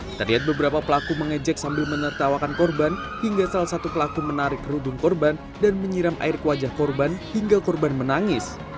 kita lihat beberapa pelaku mengejek sambil menertawakan korban hingga salah satu pelaku menarik kerudung korban dan menyiram air ke wajah korban hingga korban menangis